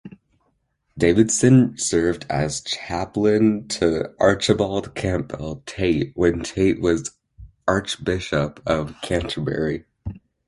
Davidson served as chaplain to Archibald Campbell Tait when Tait was Archbishop of Canterbury.